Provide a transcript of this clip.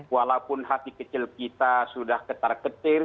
walaupun hati kecil kita sudah ketar ketir